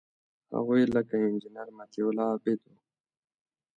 هغوی لکه انجینیر مطیع الله عابد وو.